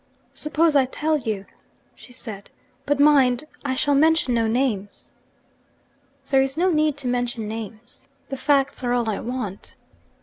'Suppose I tell you?' she said. 'But, mind, I shall mention no names!' 'There is no need to mention names. The facts are all I want.'